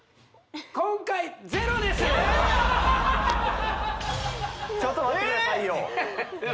今回ちょっと待ってくださいよえっ！？